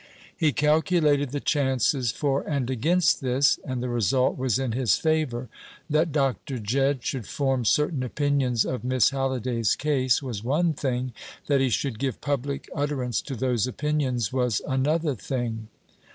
He calculated the chances for and against this and the result was in his favour. That Dr. Jedd should form certain opinions of Miss Halliday's case was one thing; that he should give public utterance to those opinions was another thing.